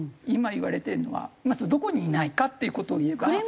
今言われてるのはまずどこにいないかっていう事を言えば。